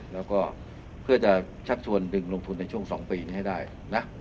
แล้วก็เพื่อจะชักชวนดึงลงทุนในช่วง๒ปีนี้ให้ได้นะ